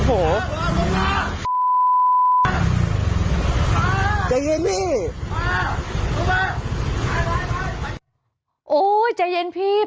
โอ้ยใจเย็นพี่